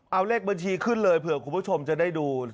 เอาเลขบัญชีขึ้นเลยเผื่อคุณผู้ชมจะได้ดู